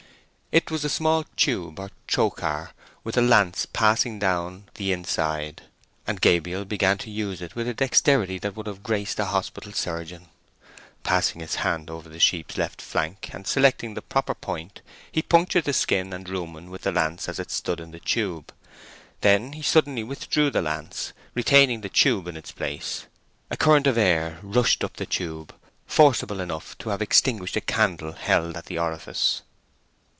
It was a small tube or trochar, with a lance passing down the inside; and Gabriel began to use it with a dexterity that would have graced a hospital surgeon. Passing his hand over the sheep's left flank, and selecting the proper point, he punctured the skin and rumen with the lance as it stood in the tube; then he suddenly withdrew the lance, retaining the tube in its place. A current of air rushed up the tube, forcible enough to have extinguished a candle held at the orifice.